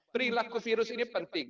perilaku virus ini penting